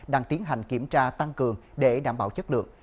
đang tiến hành kiểm tra tăng cường để đảm bảo chất lượng